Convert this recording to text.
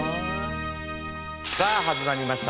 さあ始まりました